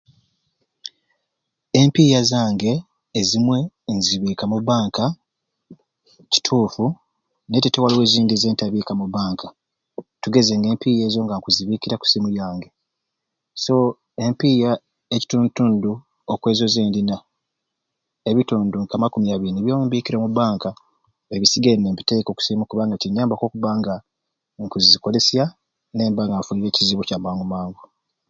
Empiiya zange ezimwe nzibiika mu bbanka kituufu naye te waliwo ezindi zentabiika mu bbanka tugeze ng'empiiya ezo nkuzibiikira ku ssimu yange so empiiya ekitundutundu okwezo zendina ebitundu nk'amakumi abiri nibyo mbiikira omu bbanka ebisigaire nimbiteeka oku ssimu kubanga zinyambaku okubba nga nkuzikolesya nemba nga nfunire ekizibu Kya mangu mangu.